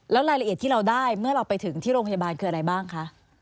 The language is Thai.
แล้วรายละเอียดที่เราได้เมื่อเราไปถึงที่โรงพยาบาลคืออะไรบ้างคะ